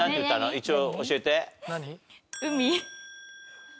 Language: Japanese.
一応教えて。